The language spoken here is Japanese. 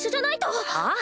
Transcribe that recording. はあ？